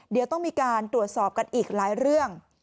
เดี๋ยวต้องมีการตรวจสอบกันอีกหลายเรื่อง